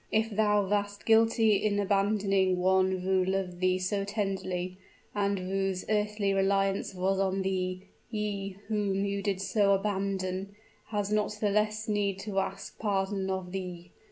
"If thou wast guilty in abandoning one who loved thee so tenderly, and whose earthly reliance was on thee, he, whom you did so abandon, has not the less need to ask pardon of thee.